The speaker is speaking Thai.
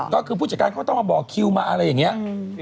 ก็คือผู้จัดการเขาต้องมาบอกคิวมาอะไรอย่างนี้